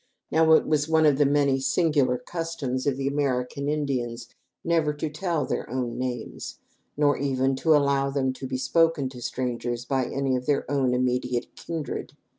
Now it was one of the many singular customs of the American Indians never to tell their own names, nor even to allow them to be spoken to strangers by any of their own immediate kindred.